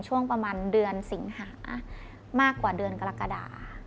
ช่วงประมาณเดือนสิงหามากกว่าเดือนกรกฎา